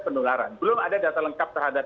penularan belum ada data lengkap terhadap